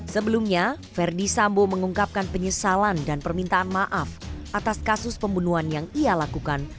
sebelumnya verdi sambo mengungkapkan penyesalan dan permintaan maaf atas kasus pembunuhan yang ia lakukan